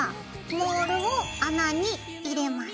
モールを穴に入れます。